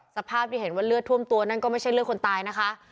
สภาพที่เห็นว่าเลือดท่วมตัวนั่นก็ไม่ใช่เลือดคนตายนะคะ